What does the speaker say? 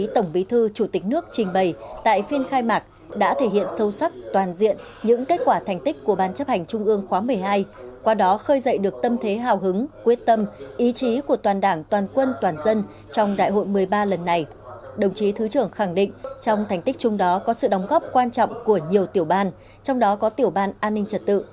thứ trưởng khẳng định trong thành tích chung đó có sự đóng góp quan trọng của nhiều tiểu ban trong đó có tiểu ban an ninh trật tự